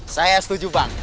saya setuju bang